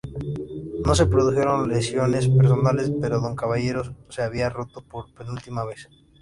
No se produjeron lesiones personales, pero Don Caballero se había roto por penúltima vez.